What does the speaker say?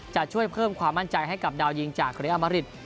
จะช่วยเพิ่มความมั่นใจให้กับดาวยิงจากเรอมริต